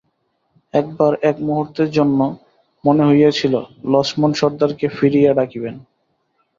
একবার এক মুহূর্তের জন্যে মনে হইয়াছিল লছমন সর্দারকে ফিরিয়া ডাকিবেন!